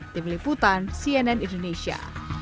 tim liputan cnn indonesia